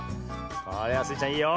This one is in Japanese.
おおスイちゃんいいよ。